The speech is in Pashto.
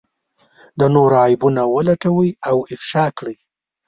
د نورو عيبونه ولټوي او افشا کړي.